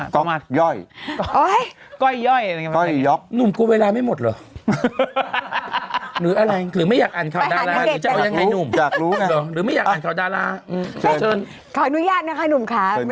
ขาคไกล่นุ่มกูเวลาไม่หมดหรอไม่จัดกลุ่ม